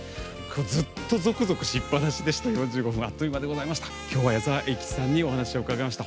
ずっと、ぞくぞくしっぱなしな４５分あっという間でございました。